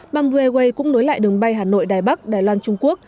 bamboo airways cũng nối lại đường bay hà nội đài bắc đài loan trung quốc